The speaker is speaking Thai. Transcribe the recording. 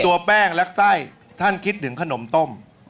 ตัวแป้งและไส้ท่านคิดถึงขนมต้ม